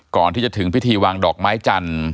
ก่อนที่จะถึงพิธีวางดอกไม้จันทร์